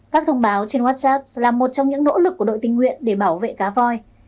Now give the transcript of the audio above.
các thông báo trên whatsapp là một trong những nỗ lực của đội tình nguyện để bảo vệ cá voi